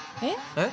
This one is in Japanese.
えっ！